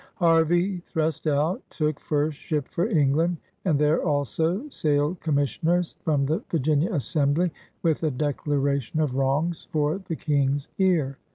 Harvey, thrust out, took first ship for England, and there also sailed commissioners from the Vir ginia Assembly with a declaration of wrongs for the King's ear.